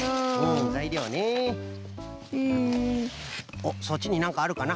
おっそっちになんかあるかな？